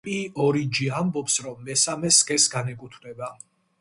პი-ორიჯი ამბობს, რომ მესამე სქესს განეკუთვნება.